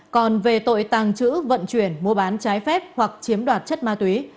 còn về tội tàng trữ vận chuyển mua bán trái phép hoặc chiếm đoạt chất ma túy